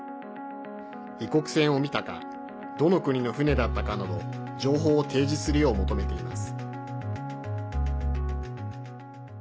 異国船を見たかどの国の船だったかなど情報を提示するよう求めています。